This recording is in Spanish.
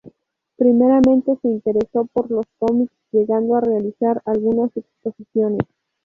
Primeramente se interesó por los cómics llegando a realizar algunas exposiciones.